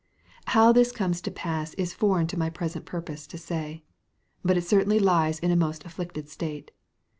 How this comes to pass is foreign to my present purpose to say; but it certainly lies in a most afflicted state.